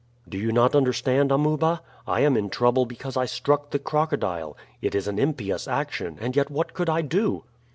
"Do you not understand, Amuba? I am in trouble because I struck the crocodile; it is an impious action, and yet what could I do?"